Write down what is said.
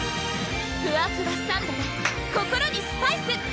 ふわふわサンドｄｅ心にスパイス！